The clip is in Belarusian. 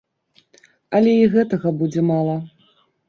Але і гэтага будзе мала.